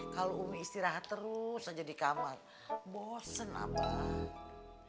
kalau umi istirahat terus aja di kamar bosen apa